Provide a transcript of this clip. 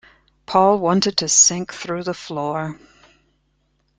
Paul wanted to sink through the floor.